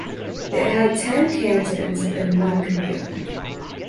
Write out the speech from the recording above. It had ten cantons and one commune.